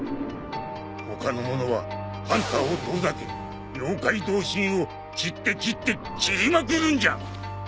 他の者はハンターを遠ざけ妖怪同心を斬って斬って斬りまくるんじゃ。